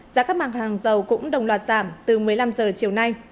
giá các mặt hàng dầu cũng đồng loạt giảm từ một mươi năm h chiều nay